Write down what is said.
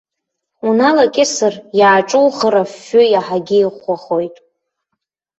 Уналакьысыр, иааҿухыр афҩы иаҳагьы иӷәӷәахоит.